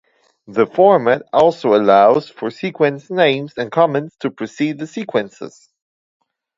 The format also allows for sequence names and comments to precede the sequences.